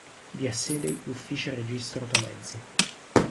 Vi ha sede l'Ufficio Registro Automezzi.